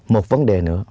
một vấn đề nữa